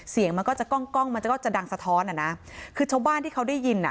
เสียงมันก็จะกล้องกล้องมันจะก็จะดังสะท้อนอ่ะนะคือชาวบ้านที่เขาได้ยินอ่ะ